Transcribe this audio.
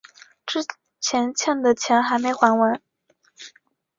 之前欠的钱还没还完